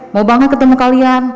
mau banget ketemu kalian